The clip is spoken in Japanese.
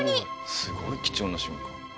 すごい貴重な瞬間。